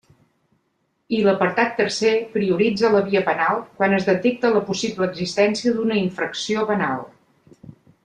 I l'apartat tercer prioritza la via penal quan es detecta la possible existència d'una infracció penal.